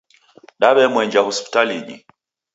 Daw'emwenja Hospitalinyi